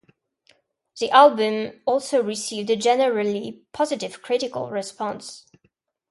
The album also received a generally positive critical response.